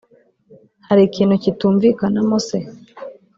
Hari ikintu kitumvikanamo se